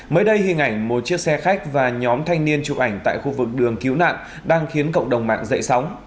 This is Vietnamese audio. mới đây hình ảnh một chiếc xe khách và nhóm thanh niên chụp ảnh tại khu vực đường cứu nạn đang khiến cộng đồng mạng dậy sóng